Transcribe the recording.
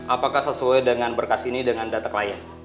apakah sesuai dengan berkas ini dengan data klien